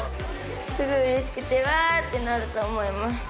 すごいうれしくてうわってなると思います。